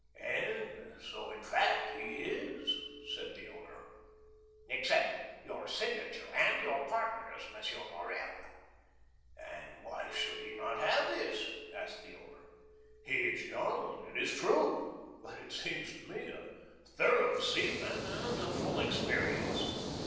"And so, in fact, he is," said the owner. "Except your signature and your partner's, M. Morrel." "And why should he not have this?" asked the owner; "he is young, it is true, but he seems to me a thorough seaman, and of full experience."